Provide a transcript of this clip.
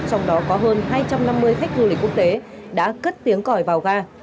trong đó có hơn hai trăm năm mươi khách du lịch quốc tế đã cất tiếng còi vào ga